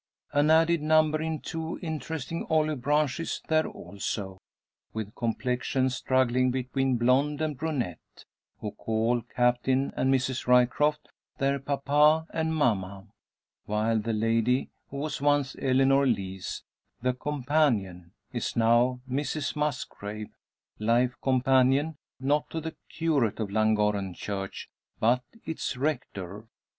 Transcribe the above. An added number in two interesting olive branches there also, with complexions struggling between blonde and brunette, who call Captain and Mrs Ryecroft their papa and mamma; while the lady who was once Eleanor Lees the "companion" is now Mrs Musgrave, life companion not to the curate of Llangorren Church, but its rector.